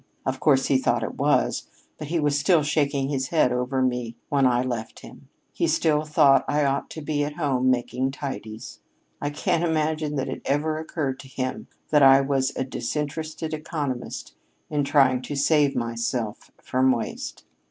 Of course he thought it was; but he was still shaking his head over me when I left him. He still thought I ought to be at home making tidies. I can't imagine that it ever occurred to him that I was a disinterested economist in trying to save myself from waste."